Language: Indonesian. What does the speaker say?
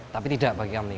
tapi tidak bagi kami